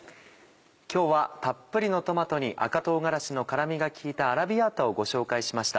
今日はたっぷりのトマトに赤唐辛子の辛みが効いたアラビアータをご紹介しました。